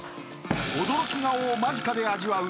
［驚き顔を間近で味わう